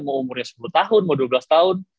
mau umurnya sepuluh tahun mau dua belas tahun